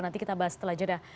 nanti kita bahas setelah jeda